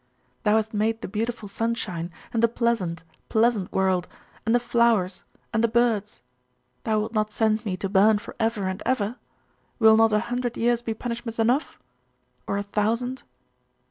Thou hast made the beautiful sunshine, and the pleasant, pleasant world, and the flowers, and the birds Thou wilt not send me to burn for ever and ever? Will not a hundred years be punishment enough or a thousand?